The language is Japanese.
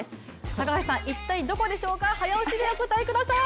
高橋さん、一体どこでしょうか、早押しでお答えください。